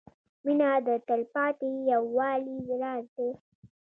• مینه د تلپاتې یووالي راز دی.